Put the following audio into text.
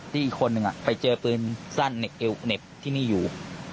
ที่อีกคนนึงไปเจอปืนสั้นเน็บที่นี่อยู่